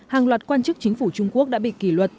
hàng loạt quan chức chính phủ trung quốc đã bị kỷ luật